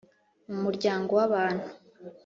mu muryango w'abantu.